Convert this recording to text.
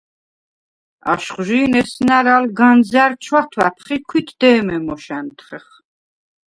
აშხვჟი̄ნ ესნა̈რ ალ განზა̈რ ჩვათვა̈ფხ ი ქვით დე̄მე მოშ ა̈ნთხეხ.